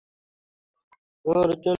অর্চনার number দাও।